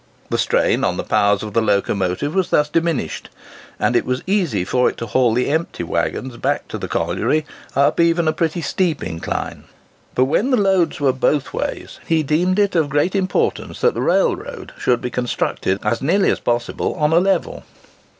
The strain on the powers of the locomotive was thus diminished, and it was easy for it to haul the empty waggons back to the colliery up even a pretty steep incline. But when the loads were both ways, he deemed it of great importance that the railroad should be constructed as nearly as possible on a level.